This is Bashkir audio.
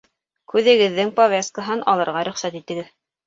Күҙегеҙҙең повязка һын алырға рөхсәт итегеҙ